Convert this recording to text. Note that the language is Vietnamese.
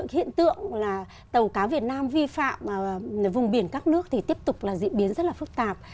hiện tượng là tàu cá việt nam vi phạm vùng biển các nước thì tiếp tục là diễn biến rất là phức tạp